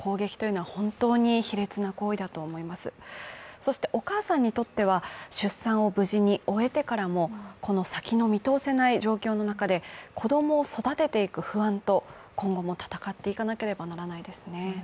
そしてお母さんにとっては出産を無事に終えてからもこの先の見通せない状況の中で、子供を育てて不安と今後も戦っていかなければいけないですね。